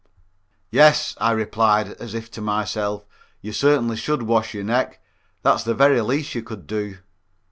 "Yes," I replied, as if to myself, "you certainly should wash your neck. That's the very least you could do."